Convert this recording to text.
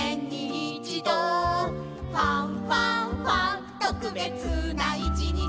「ファンファンファン特別な一日」